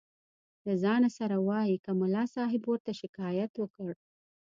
له ځانه سره وایي که ملا صاحب ورته شکایت وکړ.